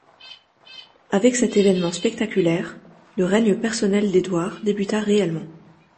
Avec cet événement spectaculaire, le règne personnel d’Édouard débuta réellement.